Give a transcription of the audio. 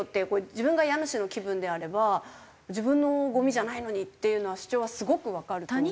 自分が家主の気分であれば自分のゴミじゃないのに！っていう主張はすごくわかると思うんですよ。